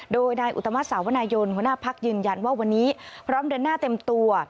โดยนายอุตมัติสาวนายนหัวหน้าพักยืนยันว่าวันนี้พร้อมเดินหน้าเต็มตัว